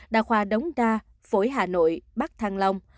đa khoa đống đa phổi hà nội bắc thăng long